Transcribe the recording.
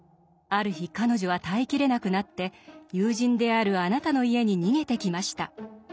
ある日彼女は耐えきれなくなって友人であるあなたの家に逃げてきました。